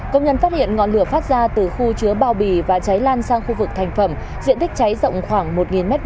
công nhân phát hiện ngọn lửa phát ra từ khu chứa bao bì và cháy lan sang khu vực thành phẩm diện tích cháy rộng khoảng một m hai